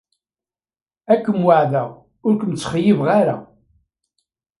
Ad kem-weɛdeɣ ur kem-ttxeyyibeɣ ara.